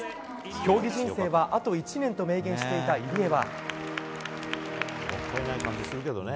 競技人生は、あと１年と明言していた入江は。